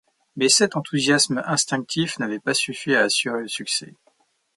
Mais cet enthousiasme instinctif n'avait pas suffi à assurer le succès.